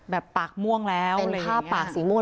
แบบปากม่วงแล้วเป็นภาพปากสีม่วง